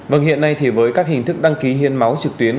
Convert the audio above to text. vâng hiện nay thì với các hình thức đăng ký hiến máu trực tuyến